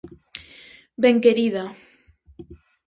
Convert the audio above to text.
Benquerida: